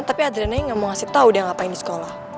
tapi adriana ini gak mau ngasih tau dia ngapain di sekolah